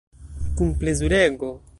Kun plezurego.